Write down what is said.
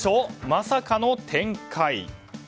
まさかの展開。